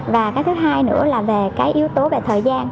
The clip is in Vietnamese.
và cái thứ hai nữa là về cái yếu tố về thời gian